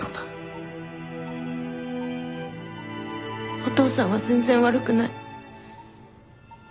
お父さんは全然悪くない。